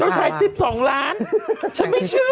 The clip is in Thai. จ้าชายทริป๒ล้านฉันไม่เชื่อพี่